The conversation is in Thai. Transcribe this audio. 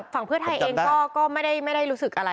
เพื่อไทยเองก็ไม่ได้รู้สึกอะไร